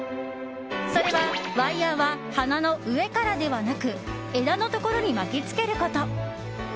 それはワイヤは花の上からではなく枝のところに巻き付けること。